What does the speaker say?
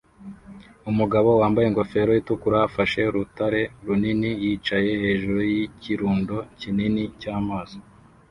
Umugabo wambaye ingofero itukura afashe urutare runini yicaye hejuru yikirundo kinini cyamazi